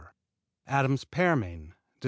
Adams' Pearmain Dec.